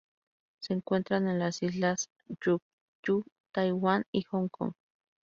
Se encuentran en las Islas Ryukyu, Taiwán y Hong Kong.